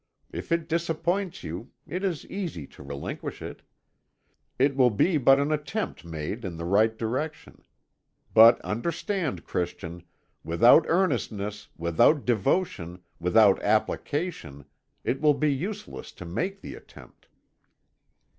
If it disappoint you, it is easy to relinquish it. It will be but an attempt made in the right direction. But understand, Christian, without earnestness, without devotion, without application, it will be useless to make the attempt."